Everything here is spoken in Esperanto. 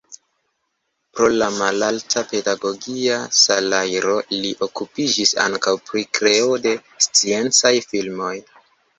Pro la malalta pedagogia salajro li okupiĝis ankaŭ pri kreo de sciencaj filmoj.